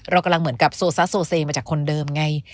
เรากำลังเหมือนกับโซซัสโซเซมาจากคนเดิมไง